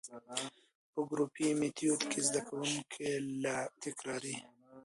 په ګروپي ميتود کي زده کوونکي له تکراري،